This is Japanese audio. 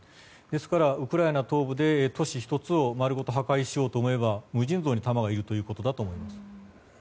ですから、ウクライナ東部で都市１つを丸ごと破壊しようと思えば無尽蔵に弾がいるということだと思います。